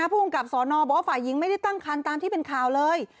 ผู้กำกับสอนอบอกว่าฝ่ายหญิงไม่ได้ตั้งคันตามที่เป็นข่าวเลย